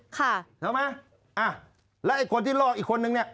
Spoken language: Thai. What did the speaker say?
ใช่ไหมอ่ะแล้วไอ้คนที่ลอกอีกคนนึงเนี่ย